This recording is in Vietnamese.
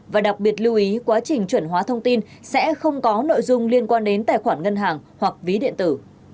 và đặc biệt lưu ý quá trình chuẩn hóa thông tin sẽ không có nội dung liên quan đến tài khoản ngân hàng hoặc ví điện tử